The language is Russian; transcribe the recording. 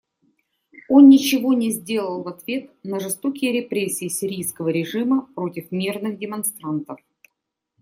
Он ничего не сделал в ответ на жестокие репрессии сирийского режима против мирных демонстрантов.